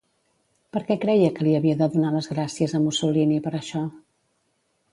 Per què creia que li havia de donar les gràcies a Mussolini per això?